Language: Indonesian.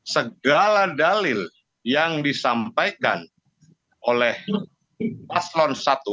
segala dalil yang disampaikan oleh paslon satu